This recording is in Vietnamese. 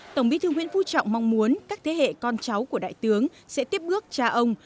tổng bí thư nguyễn phú trọng mong muốn các thế hệ con cháu của đại tướng sẽ tiếp bước cha ông